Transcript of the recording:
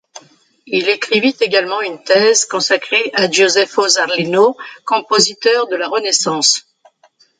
Il écrivit également une thèse consacrée à Gioseffo Zarlino, compositeur de la Renaissance.